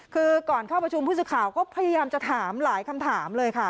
คือก่อนเข้าประชุมผู้สื่อข่าวก็พยายามจะถามหลายคำถามเลยค่ะ